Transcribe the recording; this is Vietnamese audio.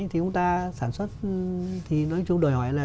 thì chúng ta sản xuất thì nói chung đòi hỏi là